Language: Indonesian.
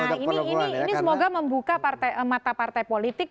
nah ini semoga membuka mata partai politik